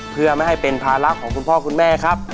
เพื่อไม่ให้เป็นภาระของคุณพ่อคุณแม่ครับ